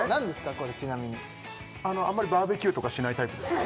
これちなみにあんまりバーベキューとかしないタイプですか？